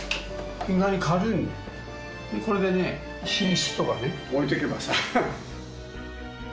これでね寝室とか置いとけばさ。